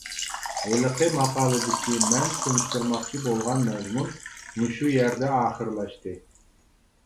ھېلىقى ماقالىدىكى مەن تونۇشتۇرماقچى بولغان مەزمۇن مۇشۇ يەردە ئاخىرلاشتى.